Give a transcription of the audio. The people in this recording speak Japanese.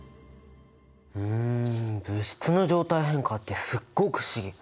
うん物質の状態変化ってすっごく不思議。